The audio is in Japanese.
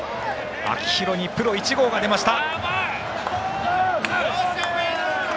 秋広にプロ１号が出ました！